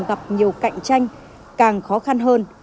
gặp nhiều cạnh tranh càng khó khăn hơn